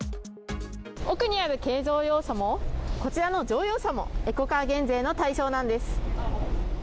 奥にある軽乗用車も、こちらの乗用車もエコカー減税の対象なんです。